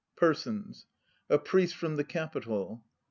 PERSONS A PRIEST FROM THE CAPITAL.